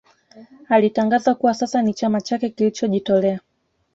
Alitangaza kuwa sasa ni chama chake kilichojitolea